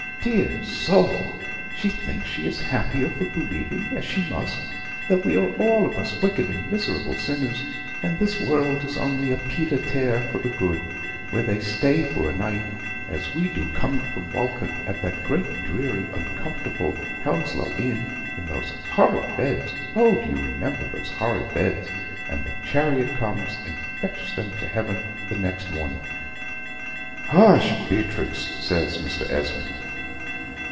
Dear soul! she thinks she is happier for believing, as she must, that we are all of us wicked and miserable sinners; and this world is only a pied a terre for the good, where they stay for a night, as we do, coming from Walcote, at that great, dreary, uncomfortable Hounslow Inn, in those horrid beds oh, do you remember those horrid beds? and the chariot comes and fetches them to heaven the next morning." "Hush, Beatrix," says Mr. Esmond.